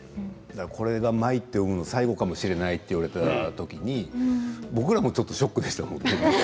これが舞と呼ぶのは最後かもしれないって言われた時に僕らもちょっとショックでしたもん。